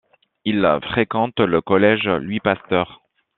Il fréquente le collège Louis-Pasteur.